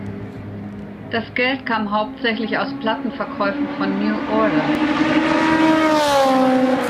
Das Geld kam hauptsächlich aus Plattenverkäufen von New Order.